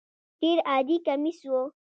ډېر عادي کمیس و.